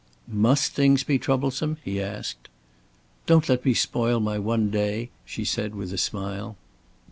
"Must things be troublesome?" he asked. "Don't let me spoil my one day," she said, with a smile.